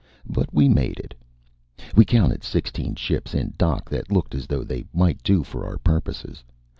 But we made it. We counted sixteen ships in dock that looked as though they might do for our purposes.